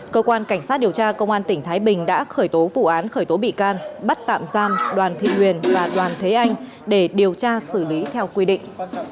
cơ quan cảnh sát điều tra công an tỉnh thái bình đã khởi tố vụ án khởi tố bị can bắt tạm giam đoàn thị huyền và đoàn thế anh để điều tra xử lý theo quy định